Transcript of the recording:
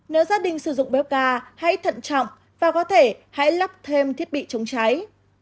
nếu gia đình sử dụng béo ca hãy thận trọng và có thể hãy lắp thêm thiết bị chống cháy